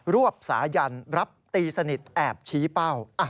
วบสายันรับตีสนิทแอบชี้เป้า